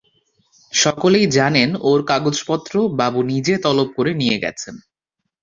সকলেই জানেন, ওর কাগজপত্র বাবু নিজে তলব করে নিয়ে গেছেন।